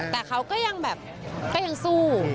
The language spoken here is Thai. แต่เขาก็ยังแบบก็ยังสู้